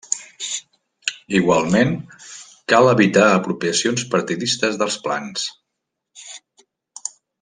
Igualment, cal evitar apropiacions partidistes dels plans.